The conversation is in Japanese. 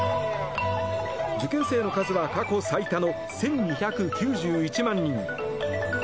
受験生の数は過去最多の１２９１万人。